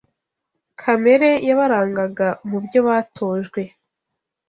kamere yabarangaga mu byo batojwe